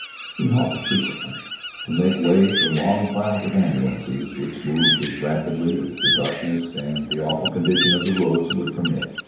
We halted frequently, to make way for long files of ambulances which moved as rapidly as the darkness and the awful condition of the roads would permit.